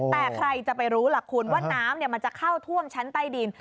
แต่ใครจะไปรู้ล่ะคุณว่าน้ำมันจะเข้าท่วมชั้นใต้ดิน